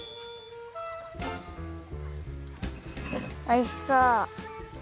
おいしそう！